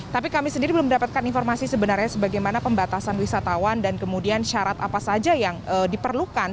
tapi kami sendiri belum mendapatkan informasi sebenarnya sebagaimana pembatasan wisatawan dan kemudian syarat apa saja yang diperlukan